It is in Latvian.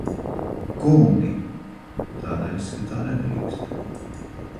Kungi! Tādā izskatā nedrīkst.